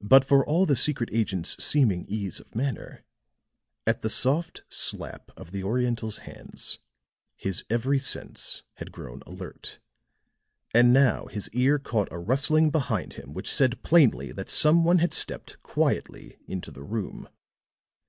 But for all the secret agent's seeming ease of manner, at the soft slap of the Oriental's hands, his every sense had grown alert; and now his ear caught a rustling behind him which said plainly that some one had stepped quietly into the room.